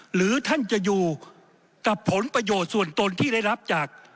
หรือท่านจะอยู่กับผลประโยชน์ส่วนตนที่ได้รับจาก